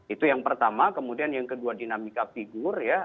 itu yang pertama kemudian yang kedua dinamika figur ya